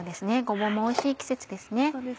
ごぼうもおいしい季節ですね。